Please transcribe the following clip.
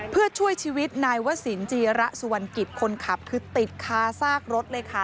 เพื่อช่วยชีวิตนายวศิลปจีระสุวรรณกิจคนขับคือติดคาซากรถเลยค่ะ